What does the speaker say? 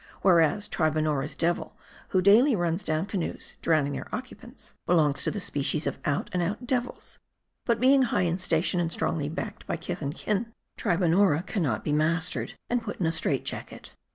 Whereas, Tribonnora's devil, who daily runs down canoes, drowning their occupants, belongs to the species of out and out devils ; but being high in station, and strongly backed by kith and kin, Tribonnora can not be mastered, and put in a strait jacket.